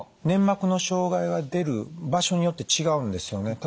粘膜の障害が出る場所によって違うんですよね。